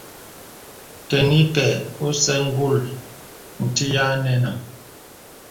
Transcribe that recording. Tɛn ìpēy osə̀ ngùl nti yə̀ à anɛ̄nàŋ.